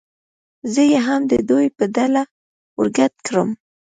زه یې هم د دوی په ډله ور ګډ کړم.